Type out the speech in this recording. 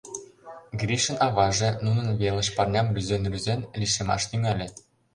Гришын аваже, нунын велыш парням рӱзен-рӱзен, лишемаш тӱҥале: